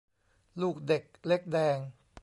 ลูกเด็กเล็กแดง